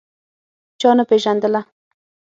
چا نه پېژندله.